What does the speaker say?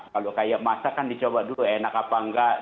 kalau kayak masakan dicoba dulu enak apa enggak